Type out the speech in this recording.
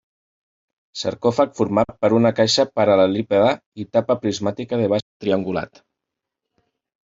Sarcòfag format per una caixa paral·lelepípede i tapa prismàtica de base triangulat.